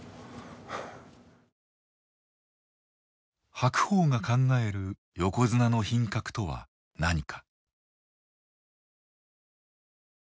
白鵬が考える「横綱の品格」とは何か。